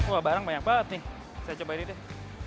wah barang banyak banget nih saya coba ini deh